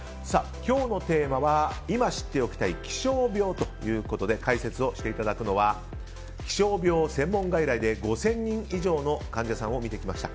今日のテーマは今、知っておきたい気象病ということで解説をしていただくのは気象病専門外来で５０００人以上の患者さんを診てきました。